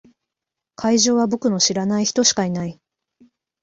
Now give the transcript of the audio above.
会場は僕の知らない人しかいない。